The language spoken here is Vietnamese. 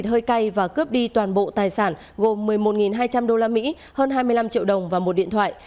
hơi cay và cướp đi toàn bộ tài sản gồm một mươi một hai trăm linh usd hơn hai mươi năm triệu đồng và một điện thoại